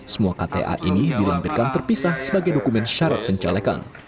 semua kta ini dilampirkan terpisah sebagai dokumen syarat pencalekan